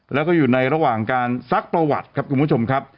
แล้วก็อยู่ในระหว่างการซักประวัติครับคุณผู้ชมครับ